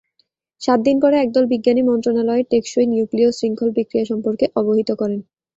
সাত দিন পরে, একদল বিজ্ঞানী মন্ত্রণালয়ে টেকসই নিউক্লীয় শৃঙ্খল বিক্রিয়া সম্পর্কে অবহিত করেন।